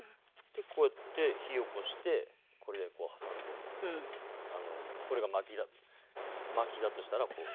こうやって火起こしてこれでこう挟んでこれが薪だとしたらこう。